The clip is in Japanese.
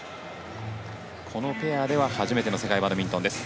このペアでは初めての世界バドミントンです。